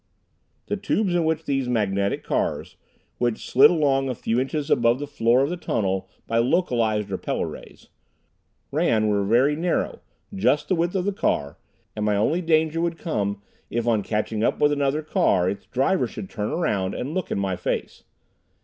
The tubes in which these magnetic cars (which slid along a few inches above the floor of the tunnel by localized repeller rays) ran were very narrow, just the width of the car, and my only danger would come if on catching up to another car its driver should turn around and look in my face.